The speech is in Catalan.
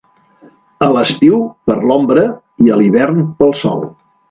A l'estiu, per l'ombra, i, a l'hivern, pel sol.